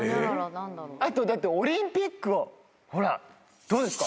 あとだってオリンピックをほらどうですか？